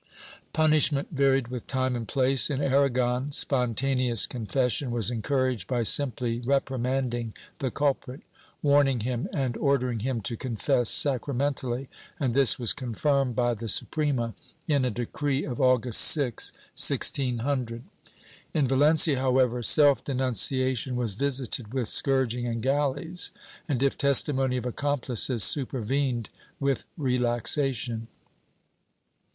^ Punishment varied with time and place. In Aragon, sponta neous confession was encouraged by simply reprimanding the culprit, warning him and ordering him to confess sacramentally, and this was confirmed by the Suprema, in a decree of August 6, 1600. In Valencia, however, self denunciation was visited with scourging and galleys and, if testimony of accomplices supervened, with relaxation.